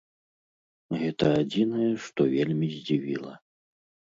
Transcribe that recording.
Гэта адзінае, што вельмі здзівіла.